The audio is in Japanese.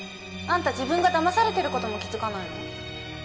あんた自分がだまされてる事も気づかないの？